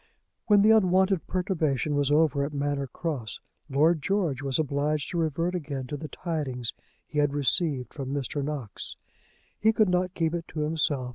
When the unwonted perturbation was over at Manor Cross Lord George was obliged to revert again to the tidings he had received from Mr. Knox. He could not keep it to himself.